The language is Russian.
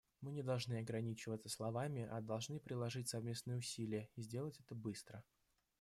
Мы не должны ограничиваться словами, а должны приложить совместные усилия, и сделать это быстро.